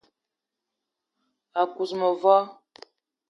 A kuz mevo